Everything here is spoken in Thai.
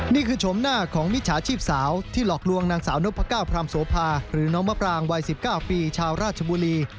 ชมหน้าของมิจฉาชีพสาวที่หลอกลวงนางสาวนพก้าวพรามโสภาหรือน้องมะปรางวัย๑๙ปีชาวราชบุรี